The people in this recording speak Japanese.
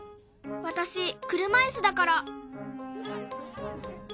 私車いすだから。